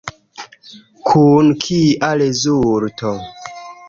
Kun kia rezulto?